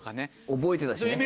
覚えてたしね。